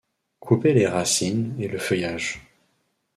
Coupez les racines et le feuillage.